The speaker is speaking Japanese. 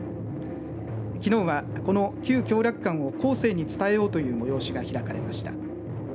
きのうはこの旧共楽館を後世に伝えようという催しが開かれました。